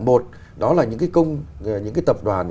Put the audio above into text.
một đó là những cái tập đoàn